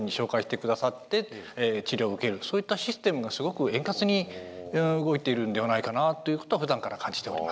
そういったシステムがすごく円滑に動いているんではないかなということはふだんから感じております。